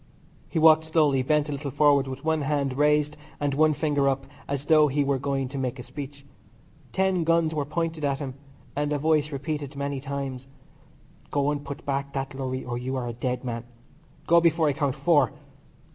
He walked slowly, bent a little forward, with one hand raised and one finger up as though he were going to make a speech. Ten guns were pointing at him, and a voice repeated many times: "Go and put back that lorry or you are a dead man. Go before I count four.